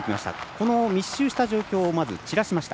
この密集した状況をまず散らしました。